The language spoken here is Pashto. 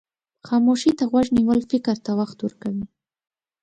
خاموشي ته غوږ نیول فکر ته وخت ورکوي.